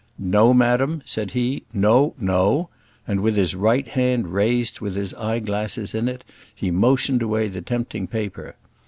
"No, madam," said he; "no, no;" and with his right hand raised with his eye glasses in it, he motioned away the tempting paper.